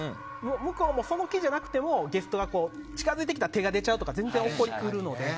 向こうもその気じゃなくてもキャストが近づいてきて手が出ちゃうとか全然起こり得るので。